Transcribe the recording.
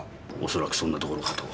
恐らくそんなところかと。